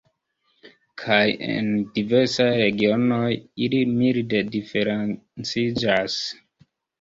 Kaj en diversaj regionoj ili milde diferenciĝas.